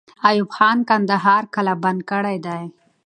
ایوب خان کندهار قلابند کړی دی.